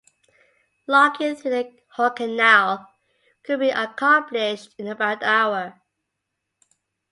Locking through the whole canal could be accomplished in about an hour.